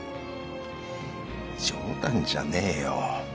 冗談じゃねぇよ。